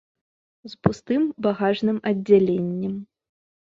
З пустым багажным аддзяленнем.